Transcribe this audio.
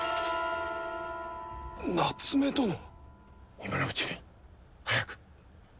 今のうちに早く。